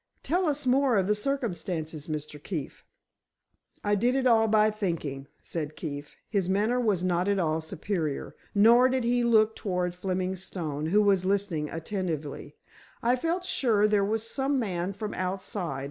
Tell us more of the circumstances, Mr. Keefe." "I did it all by thinking," said Keefe, his manner not at all superior, nor did he look toward Fleming Stone, who was listening attentively. "I felt sure there was some man from outside.